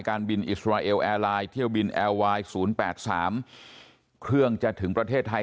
การบินอิสราเอลแอร์ไลน์เที่ยวบินแอร์ไวน์๐๘๓เครื่องจะถึงประเทศไทย